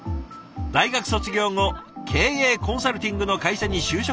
大学卒業後経営コンサルティングの会社に就職した尾崎さん。